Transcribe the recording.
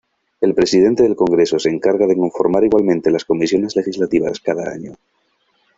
El presidente del congreso se encarga de conformar igualmente las comisiones legislativas cada año.